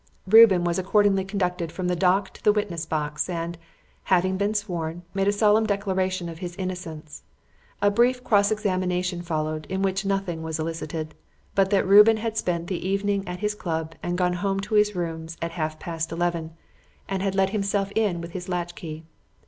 Reuben was accordingly conducted from the dock to the witness box, and, having been sworn, made a solemn declaration of his innocence. A brief cross examination followed, in which nothing was elicited, but that Reuben had spent the evening at his club and gone home to his rooms about half past eleven and had let himself in with his latchkey.